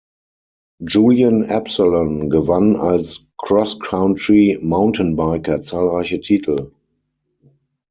Julien Absalon gewann als Cross-Country-Mountainbiker zahlreiche Titel.